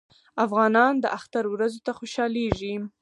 افغانان د اختر ورځو ته خوشحالیږي.